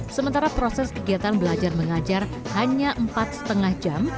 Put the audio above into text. sementara proses kegiatan belajar mengajar hanya empat lima jam